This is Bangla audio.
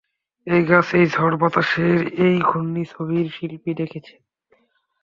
এই গাছ, এই ঝড়, বাতাসের এই ঘূর্ণি ছবির শিল্পী দেখেছে।